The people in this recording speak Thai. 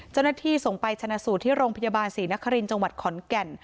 เจ้าหน้าที่ส่งไปชนะสูตรที่โรงพยาบาลศรีนครินทร์จังหวัดขอนแก่น